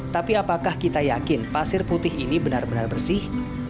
tapi apakah kita yakin pasir putih ini benar benar bersih